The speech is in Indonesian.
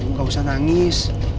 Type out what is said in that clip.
gak usah nangis